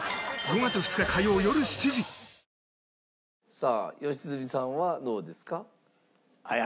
さあ良純さんはどうですか？